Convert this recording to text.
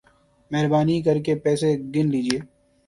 مہربانی کر کے پیسے گن لیجئے